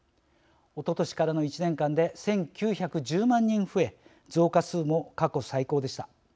おととしからの１年間で１，９１０万人増え増加数も過去最高でした。